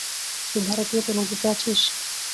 তুই ভারতীয় কোনো গ্রুপে আছিস?